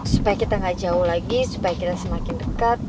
supaya kita gak jauh lagi supaya kita semakin dekat